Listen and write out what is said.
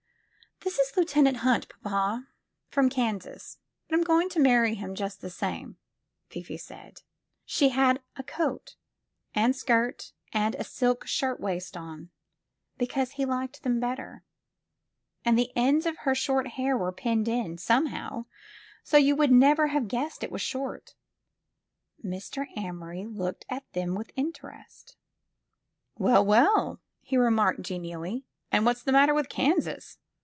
''This is Lieutenant Hunt, papa, from Kansas, but I'm going to marry him just the same," Fifi said. She had a coat and skirt and a silk shirtwaist on, because he liked them better, and the ends of her short hair were pinned in, somehow, so you would never have guessed it was short. Mr. Amory looked at them with interest. "Well, well!" he remarked genially, *'and what's the matter with Kansas?